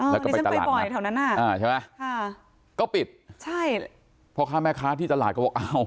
แล้วก็ไปตลาดนะครับก็ปิดพ่อค้าแม่ค้าที่ตลาดก็บอกเอา